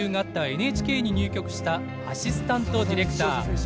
ＮＨＫに入局したアシスタントディレクター。